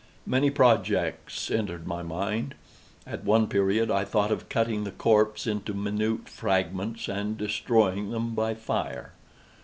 Many projects entered my mind. At one period I thought of cutting the corpse into minute fragments, and destroying them by fire.